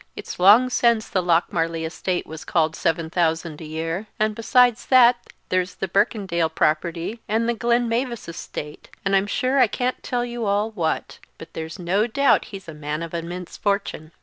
It's long since the Lochmarlie estate was called seven thousand a year; and besides that there's the Birkendale property and the Glenmavis estate, and I'm sure I can't tell you all what; but there's no doubt he's a man of immense fortune."